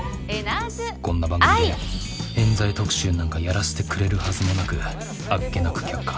こんな番組でえん罪特集なんかやらせてくれるはずもなくあっけなく却下。